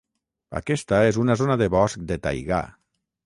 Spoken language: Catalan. Aquesta és una zona de bosc de taigà.